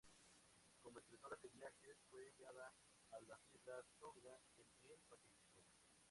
Como escritora de viajes, fue enviada a las Islas Tonga en el Pacífico.